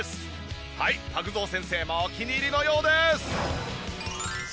はいパグゾウ先生もお気に入りのようです！